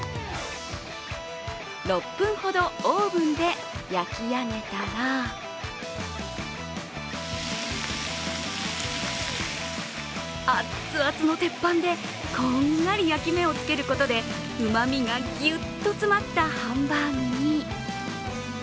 ６分ほどオーブンで焼き上げたらあっつあつの鉄板でこんがり焼き目をつけることでうまみがぎゅっと詰まったハンバーグに。